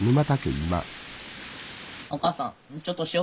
お母さんちょっと塩取って。